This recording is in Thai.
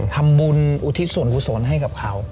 ทำบุญอุทิศสวรรค์อุทิศสวรรค์ให้กับเขา